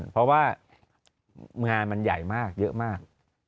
เพราะว่างานมันใหญ่มากเยอะมาก